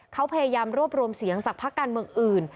เขาพยายามรวบรวมเสียงจากพักการเมืองอื่น